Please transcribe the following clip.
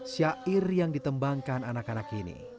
syair yang ditembangkan anak anak ini